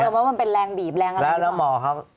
ผมมองว่ามันเป็นแรงบีบแรงอะไรดีกว่า